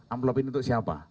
amplop ini untuk siapa